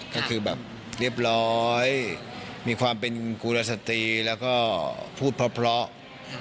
ก็คือแบบเรียบร้อยมีความเป็นกุรสตรีแล้วก็พูดเพราะ